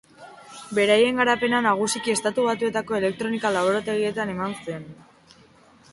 Beraien garapena nagusiki Estatu Batuetako elektronika laborategietan eman zen.